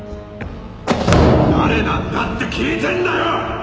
誰なんだって聞いてんだよ！